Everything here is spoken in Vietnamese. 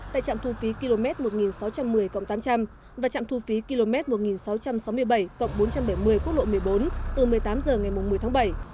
tại trạm thu phí km một nghìn sáu trăm một mươi tám trăm linh và trạm thu phí km một nghìn sáu trăm sáu mươi bảy bốn trăm bảy mươi quốc lộ một mươi bốn từ một mươi tám h ngày một mươi tháng bảy